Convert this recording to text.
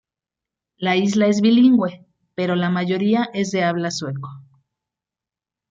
La isla es bilingüe, pero la mayoría es de habla sueco.